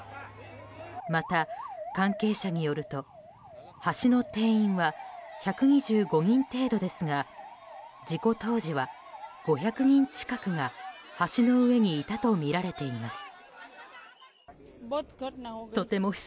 また関係者によると橋の定員は１２５人程度ですが事故当時は５００人近くが橋の上にいたとみられています。